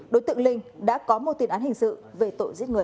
đối tượng linh đã có một tiền án hình sự về tội giết người